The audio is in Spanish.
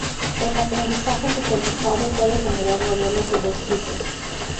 El aprendizaje supervisado puede generar modelos de dos tipos.